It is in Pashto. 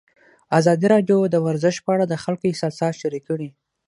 ازادي راډیو د ورزش په اړه د خلکو احساسات شریک کړي.